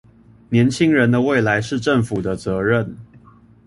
年輕人的未來是政府的責任